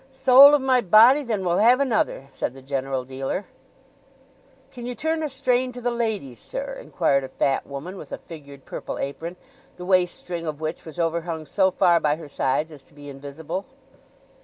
"Soul of my body, then we'll have another!" said the general dealer. "Can you turn a strain to the ladies, sir?" inquired a fat woman with a figured purple apron, the waiststring of which was overhung so far by her sides as to be invisible.